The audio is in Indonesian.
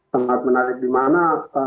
sangat menarik dimana